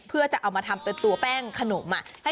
เพื่อจะเอามาทำเป็นตัวแป้งขนม